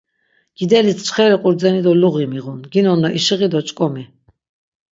Gidelis çxeri qurdzeni do luği miğun, ginonna işiği do ç̆k̆omi.